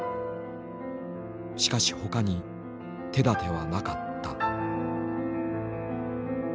しかし他に手だてはなかった。